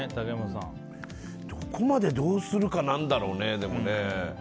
どこまでどうするかなんだろうね。